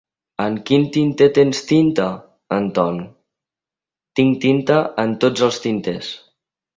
En quin tinter tens tinta, Anton? —Tinc tinta en tots els tinters.